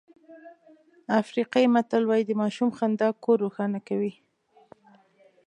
افریقایي متل وایي د ماشوم خندا کور روښانه کوي.